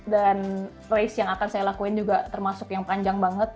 dan race yang akan saya lakuin juga termasuk yang panjang banget